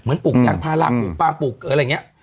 เหมือนปลูกอย่างผ้ารักหรือปลาปลูกอะไรอย่างเงี้ย